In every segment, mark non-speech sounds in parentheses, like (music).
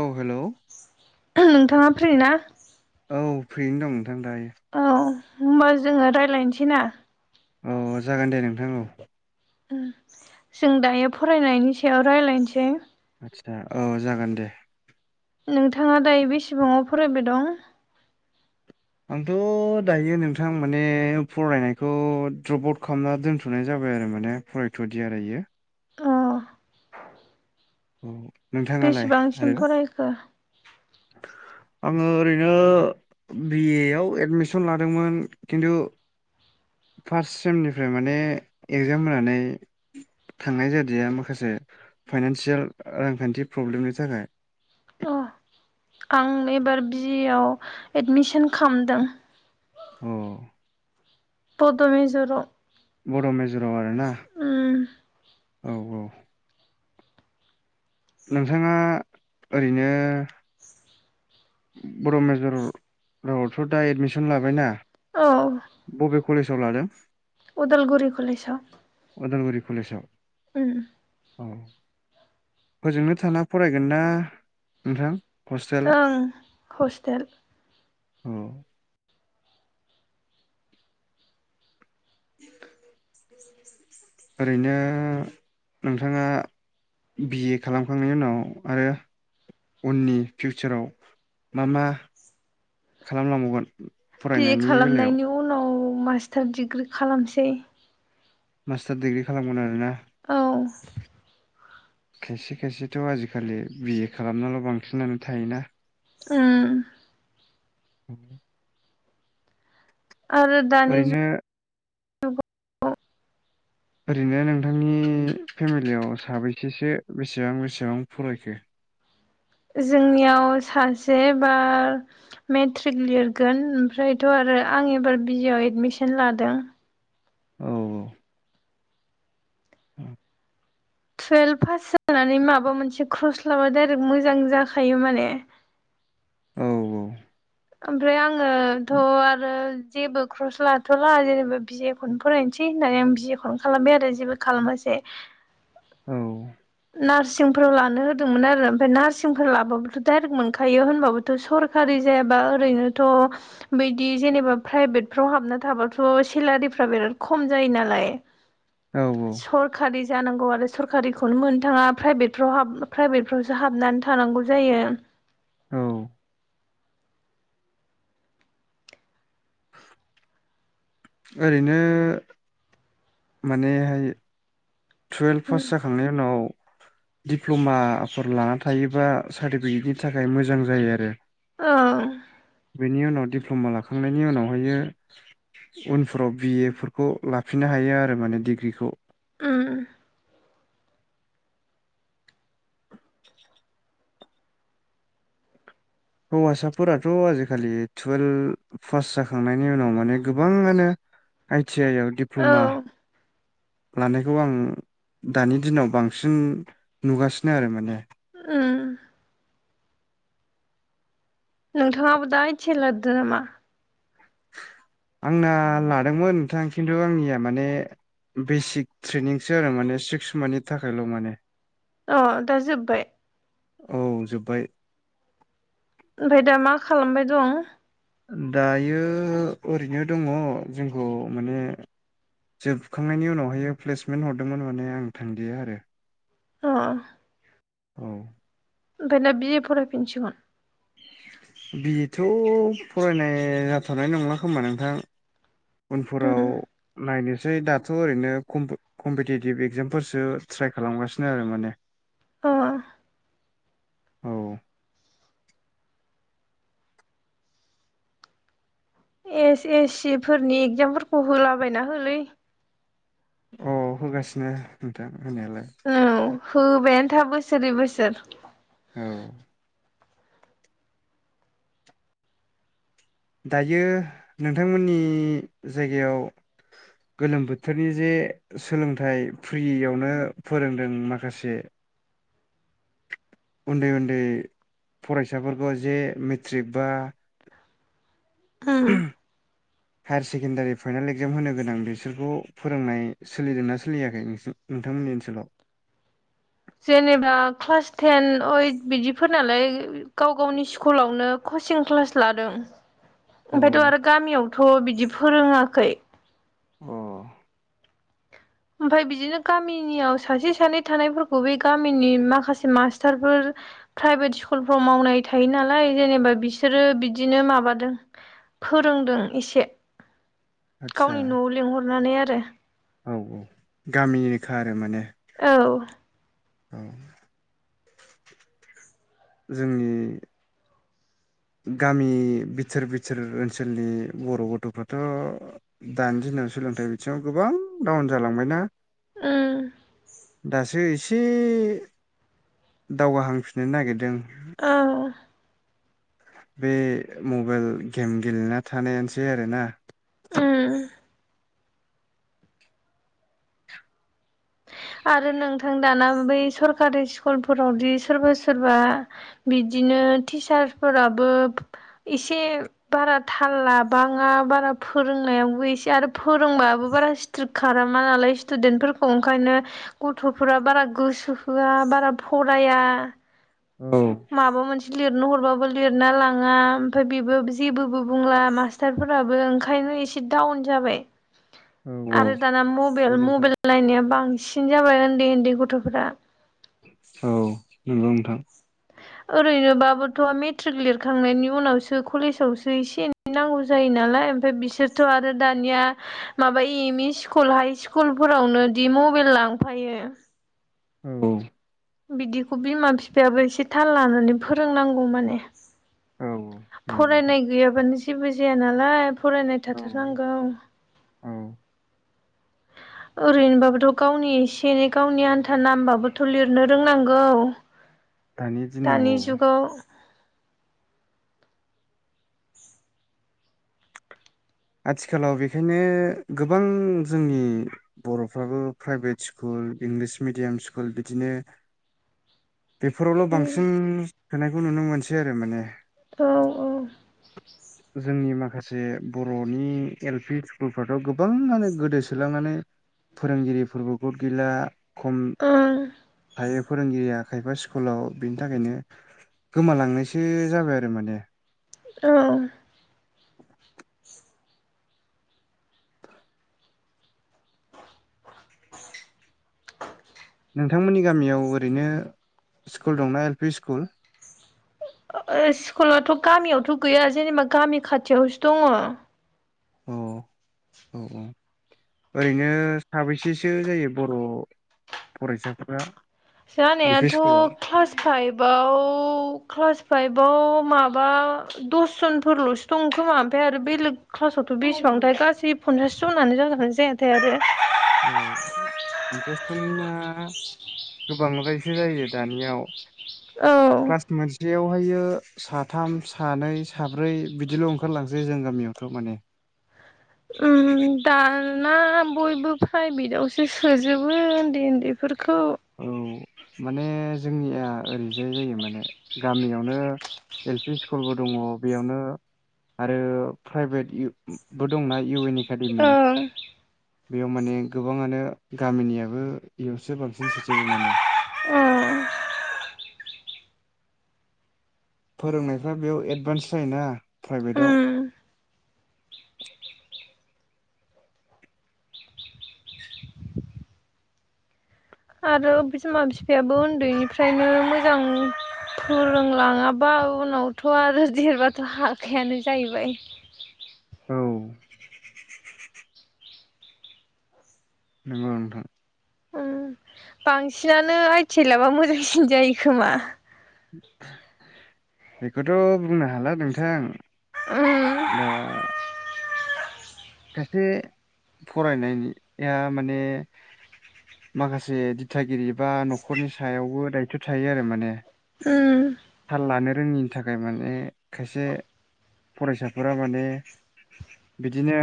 औ हेलौ नोंथाङा फ्रि ना? औ फैयैनो दं नोंथां दायो। औ होमबा जोङो रायलायनोसै ना? अ जागोन दे नोंथां औ जों दायो फरायनायनि सायाव रायलायनोसै । आतसा औ जागोन दे । नोंथाङा दायो बेसेबाङाव फरायबाय दं । आंथ' दायो नोंथां माने फरायनायखौ द्रप आउट खालामना दोनथ'नाय जाबाय आ रो माने फरायथ'दि आरो बियो अ औ नोंथाङालाय बेसेबांसिम आरो फरायखो (inaudible) आङो ओरैनो बि ए आव एदमिसन लादोंमोन खिन्थु फार्स्ट सेमनिफ्राय माने एगजाम होनानै थांनाय जायादाया माखासे फाइनानसियेल रांखान्थि प्रब्लेमनि थाखाय अ आं एबार बि ए आव एडमिसन खालामदों। औ बड मेजर'आव बड' मेजराव आरोना औ औ । नोंथाङा ओरैनो बर' मेजर रावआवथ' दा एडमिसन लाबायना? औ बबे कलेजाव लादों । उदालगुरि कलेजआव अदालगुरि कलेजाव उम औ हजोंनो थाना फरायगोन ना नोंथां? हस्टेल ओं हस्टेल औ ओरैनो नोंथाङा बि ए खालामखांनायनि उनाव आरो उननि फिउचाराव मा मा खालामलांबावगोन? बि ए फरायनायनि बेलायाव खालामनायनि उनाव मास्टार दिडिग्रि खालामसै । मास्टार दिडिग्रि खालामगोन आरो ना । औ खायसे खायसेथ' आजिखालि बि ए खालामनाल' बांसिनानो थायोना । उम (inaudible) आरो दानि जु ओरैनो ओरैनो नोंथांनि फेमिलियाव साबैसेसो बेसेबां बेसेबां फरायखो? जोंनियाव सासे एबार मेट्रिक लिरगोन ओमफ्रायथ' आ रो आं एबार बि आव एडमिसन लादों। औ औ औ टुवेल्भ पास जानानै माबा मोनसे क्रस लाबा डायरेक्ट मोजां जाखायो माने (unintelligible) औ ओमफ्राय आङोथ' आरो जेबो क्रस लाथ'ला जेनेबा बि ए खौनो फरायनोसै होननानै आं बिे ए खौनो खालामबाय आरो जेबो खालामासै। औ नार्सिंफोराव लानो होदोंमोन आरो ओमफ्राय नार्सिंफोर लाबाबोथ' डाइरेक्ट मोनखायो होनबाबोथ' सर' कारि जायाबा ओरैनोथ' बिदि जेनेबा प्राइभेट फ्राव हाबना थाबाथ' सेलारि फ्रा बेराद खम जायो नालाय औ सरखारिफोर जानांगौ आरो। खौनो मोननो थाङा प्राइभेटफ्राव प्राइभेटफ्रावसो हाबनानै थानांगौ जायो। औ (unintelligible) ओरैनो मानेहाय टुयेल्भ पास जाखांनायनि उनाव दिप्ल'माफोर लाना थायोबा सार्टिफिकेटनि थाखाय मोजां जायो आरो। औ बेनि उनाव दिप्ल'मा लाखांनायनि उनावहायो उनफोराव बिए फोरफोरखौ लाफिननो हायो आरो माने डिग्रिखौ ओम हौवासाफोराथ' आजिखालि टुवेल्भ पास जाखांनायनि उनाव माने गोबाङानो आइ टि आइ आव औ दिप्ल'मा लानायखौ आं दानि दिनाव बांसिन नुगासिनो आरो माने ओम नोंथाङाबो दा आइ थि आइ लादो नामा? आंना लादोंमोन नोंथां खिन्थु आंनिया माने बेसिक ट्रेनिंसो आरो माने सिक्स मथनि थाखायल' माने अ दा जोबबाय औ जोब्बाय ओमफ्राय दा मा खालामबाय दं? दायो ओरैनो दङ जोंखौ माने जोबखांनायनि उनावहायो प्लेसमेन्ट हरदोंमोन हरनाया माने आं थांदिया आरो। अ औ ओमफ्राय ना बि फरायफिनसिगोन। बिथ' फरायनाय जाथनाय नंला खोमा नोंथां। उनफोराव नायनो सै दाथ' ओरैनो कम्पि कम्पिटिेटिभ एगजामफोरसो ट्राय खालामगासिनो आरो माने अ औ एस एस सि फोरनि एगजामफोरखौ होलाबायना होलै औ होगासिनो नोंथां होनायालाय होबायानोथा बोसोरै बोसोर औ दायो नोंथांमोननि जायगायाव (unintelligible) गोलोम बोथोरनि जे सोलोंथाइ फ्रियावनो फोरोंदों माखासे (unintelligible) उन्दै उन्दै फरायसाफोरखौ जे मेट्रिक बा उम हायार सेकेण्डारि फाइनाेल एगजाम होनो गोनां बिसोरखौ फोरोंनाय सोलिदोंना सोलियाखै नोंसिनिथिं नोंथांमोननि ओनसोलाव (unintelligible) जेनेबा क्लास टेन ओइथ बिदिफोर नालाय गाव गावनि स्कुलावनो कचिं क्लास लादों अ ओमफायथ' आरो गामियावथ' बिदि फोरोङाखै अ ओमफ्राय बिदिनो गामिनियाव सासे सानै थानायफोरखौ बे गामिनि माखासे मास्टारफोर प्राइभेट स्कुलफ्राव मावनाय थायो नालाय जेनेबा बिसोरो बिदिनो माबादों। फोरोंदों इसे आदसा गावनि न'आव लिंहरनानै आरो औ औ गामिनिनोखा आरो माने औ औ जोंनि गामि बिथोर बिथोर ओनसोलनि बर' गथ'फ्राथ' दानि दि जों सोलोंथाइ बिथिङाव गोबां डाउन जालांबायना ओ दासो इसे दावगाहांफिननो नागिरदों। ओ बे मबाइल गेम गेलेना थानायानोसै आरोना ओम आरो नों दाना बै सरकारि स्कुलफोरावदि सोरबा सोरबा बिदिनो टिचार फोराबो एसे बारा थाल लाबाङा बारा फोरोंनायाव इसे आरो फोरोंबाबो बारा स्ट्रिक्ट खालामा नालाय स्टुडेन्टफोरखौ ओंखायनो गथ'फोरा बारा गोसो होआ बारा फराया औ माबा मोनसे लिरनो हरबाबो लिरना लाङा ओमफ्राय बेबो जेबोबो बुंला मास्टारफोराबो ओंखायनो इसे डाउन जाबाय औ औ आरो दाना औ मबेल नोंथां मबेल नायनाया बांसिन जाबाय ओन्दै ओन्दै गथ'फोरा औ नोंगौ नोंथां ओरैनोबाबोथ' मेट्रिक लिरखांनायनि उनावसो कलेजावसो इसे एनै नांगौ जायो। नालाय ओमफाय बिसोरथ' आरो दानिया माबा M E school high school फोरावनो दि मबेल लांफायो। औ औ बिदिखौ बिमा-फिफायाबो इसे थाल लानानै फोरोंनांगौ माने औ नंगौ नोंथां फरायनाय गैयाबानो जेबो जाया नालाय फरायनाय औ थाथारनांगौ। औ (inaudible) ओरैनोबाबोथ' गावनि इसे एनै गावनि आनथा नामबाबोथ' लिरनो रोंनांगौ। दानि दिनाव दानि औ जुगाव आथिखालाव बेखायनो गोबां जोंनि बर'फ्राबो private school English medium school बिदिनो बेफोरावल' उम बांसिन होनायखौ नुनो मोनसै आरो माने औ औ जोंनि माखासे बर'नि एल पि स्कुलफ्राथ' गोबाङानो गोदोसोलांनानै फोरोंगिरिफोरबो गद गैला खम ओं थायो । फोरोंगिरिया खायफा स्कुलाव बिनि थाखायनो गोमालांनायसो जाबाय आरो माने औ नोंथांमोननि गामियाव ओरैनो स्कुल दंना एल पि स्कुल? ओ स्कुलाथ' गामियावथ' गैया जेनेबा गामि खाथियावसो दङ'। औ औ औ ओरैनो साबैसेसो जायो बर' फरायसाफोरा? एल पि जानायाथ' स्कुलाव क्लास फाइभआव क्लास फाइभ बाव माबा दसजनफोरल'सो दं खोमा ओमफाय आरो बेलेग क्लासावथ' बेसेबांथाय गासै पन्सासजनानो जागोना जायाथाय आरो औ पानस खालामना (unintelligible) गोबांद्रायसो जायो दानियाव औ सासेयावहायो साथाम सानै साब्रै बिदिल' ओंखारलांसै जों गामियावथ' माने उम दा ना बयबो प्राइभेटआवसो सोजोबो उन्दै उन्दैफोरखौ औ माने जोंनिया ओरैजाय जायो माने गामियावनो एल पि स्कुलबो दङ बेयावनो आरो प्राइभेट बो दंना इउ एनि ओं बेयाव माने गोबाङानो गामिनियाबो इयावसो बांसिन सोजोबो माने ओं फोरोंनायफ्रा बेयाव एदभान्स जायोना प्राइभेटाव उम आरो बिमा बिफायाबो उन्दैनिफ्रायनो मोजां फोरोंलाङाबा उनावथ' आरो देरबाथ' हाखायानो जाहैबाय। औ नंगौ नोंथां उम बांसिनानो आइटिएल आबा मोजांसिन जायो खोमा बेखौथ' बुंनो हाला नोंथां उम दा सायसे फरायनाया माने माखासे दिथागिरि बा न'खरनि सायावबो दायथ' थायो आरो माने उम थाल लानो रोङिनि थाखाय माने खायसे फरायसाफोरा माने बिदिनो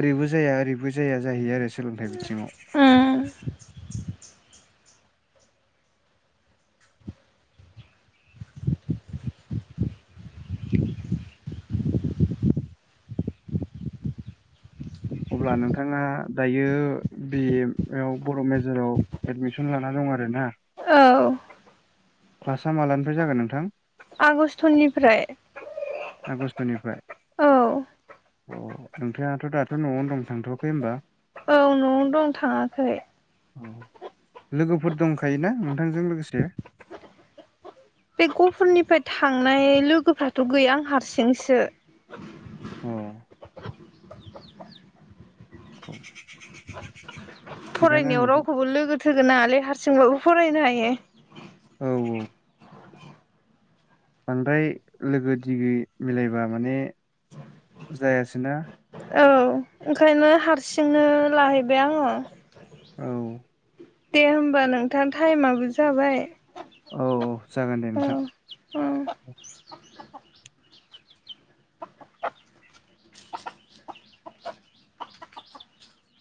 ओरैबो जाया ओरैबो जाया जाहैयो आरो सोलोंथाइ बिथिङाव उम अब्ला नोंथाङा दायो बि ए आव बर' मेजराव एडमिसन लाना दं आरोना औ क्लासा मालानिफ्राय जागोन नोंथां आगष्ट'निफ्राय आगष्ट'निफ्राय औ अ नोंथाङाथ' दाथ' न'आवनो दं थांथ'वाखै होनोमबा बावनो दं थाङाखै लोगोफोर दंखायोना नोंथांजों लोगोसे बे गफुरनिफ्राय थांनाय लोगोफ्राथ' गैया आं हारसिंसो औ (inaudible) फरायनायाव नोंथां रावखौबो लोगो थोगोन नाङालै हारसिंबाबो फरायनो हायो। औ औ बांद्राय लोगो दिगि मिलायबा माने जायासो ना औ ओंखायनो हारसिंनो लाहैबाय आङो औ दे होमबा नोंथां टाइमाबो जाबाय औ औ जागोन दे औ नोंथां औ